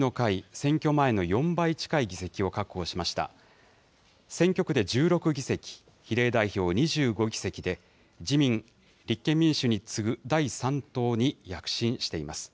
選挙区で１６議席、比例代表２５議席で、自民、立憲民主に次ぐ第３党に躍進しています。